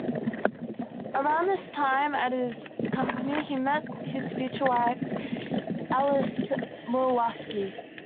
Around this time, at his company, he met his future wife, Alice Murawski.